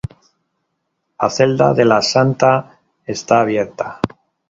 La celda de la Santa está abierta.